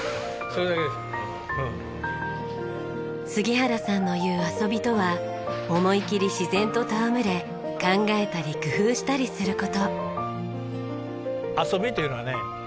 杉原さんの言う「遊び」とは思い切り自然と戯れ考えたり工夫したりする事。